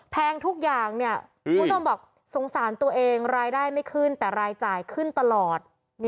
แพงทุกอย่างเนี่ยคุณผู้ชมบอกสงสารตัวเองรายได้ไม่ขึ้นแต่รายจ่ายขึ้นตลอด